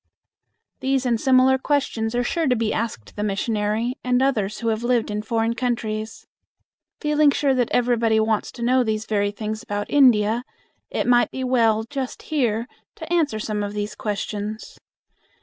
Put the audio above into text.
These and similar questions are sure to be asked the missionary and others who have lived in foreign countries. Feeling sure that everybody wants to know these very things about India, it might be well just here to answer some of these questions.